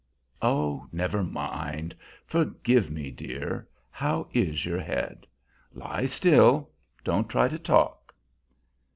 "Oh, never mind. Forgive me, dear. How is your head? Lie still; don't try to talk."